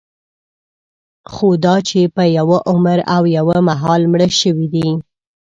خوداچې په یوه عمر او یوه مهال مړه شوي دي.